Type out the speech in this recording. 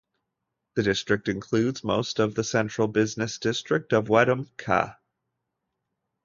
The district includes most of the central business district of Wetumpka.